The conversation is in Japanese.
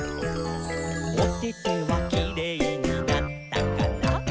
「おててはキレイになったかな？」